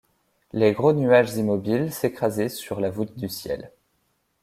Les gros nuages immobiles s’écrasaient sur la voûte du ciel.